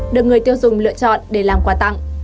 được người tiêu dùng lựa chọn để làm quà tặng